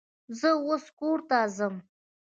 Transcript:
زه اوس کور ته ځمه.